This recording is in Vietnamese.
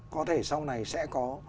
có thể sau này sẽ có